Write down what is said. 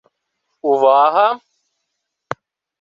— Ува-а-а-га!